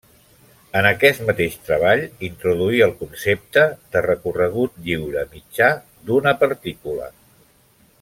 En aquest mateix treball introduí el concepte de recorregut lliure mitjà d'una partícula.